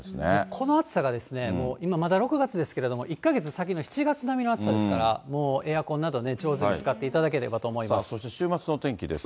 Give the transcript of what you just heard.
この暑さがもう今、まだ６月ですけれども、１か月先の７月並みの暑さですから、もうエアコンなどね、上手に使っていただければと思います。